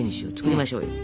やりましょう！